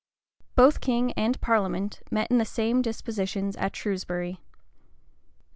{1398.} Both king and parliament met in the same dispositions at Shrewsbury.